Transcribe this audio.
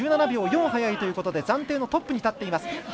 １７秒４早いということで暫定のトップにたっています。